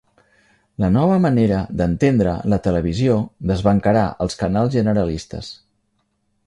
La nova manera d'entendre la televisió desbancarà els canals generalistes.